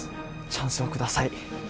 チャンスを下さい。